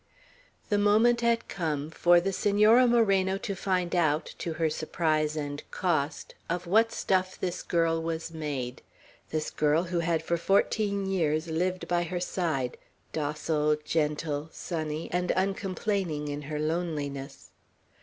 The moment had come for the Senora Moreno to find out, to her surprise and cost, of what stuff this girl was made, this girl, who had for fourteen years lived by her side, docile, gentle, sunny, and uncomplaining in her loneliness.